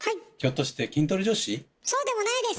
そうでもないです！